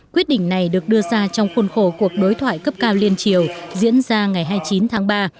quyết định này được đưa ra trong khuôn khổ cuộc đối thoại cấp cao liên triều diễn ra ngày hai mươi chín tháng ba